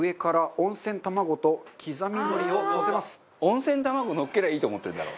温泉たまご、のっけりゃいいと思ってるんだろ？